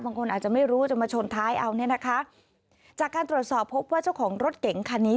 บางคนอาจจะไม่รู้จะมาชนท้ายเอาเนี่ยนะคะจากการตรวจสอบพบว่าเจ้าของรถเก๋งคันนี้